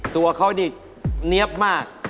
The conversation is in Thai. ตัวเขานี่เนี๊ยบมาก